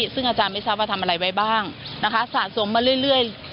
ซึ่งอาจารย์ไม่ทราบว่าทำอะไรไว้บ้างนะคะสะสมมาเรื่อย